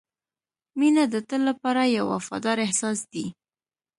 • مینه د تل لپاره یو وفادار احساس دی.